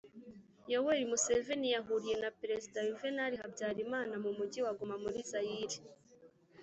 yoweri museveni yahuriye na perezida yuvenali habyarimana mu mujyi wa goma muri zayire,